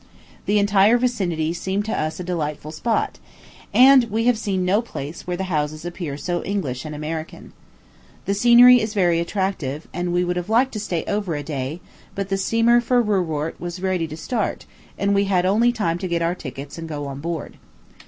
The entire vicinity seemed to us a delightful spot, and we have seen no place where the houses appear so English and American. The scenery is very attractive; and we would have liked to stay over a day, but the steamer for Ruhrort was ready to start, and we had only time to get our tickets and go on board.